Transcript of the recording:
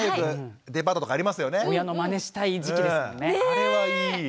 あれはいい。